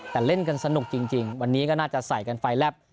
แต่เล่นกันสนุกจริงวันนี้ก็น่าจะใส่กันไฟแลบ